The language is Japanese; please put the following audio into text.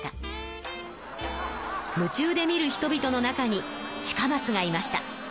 夢中で見る人々の中に近松がいました。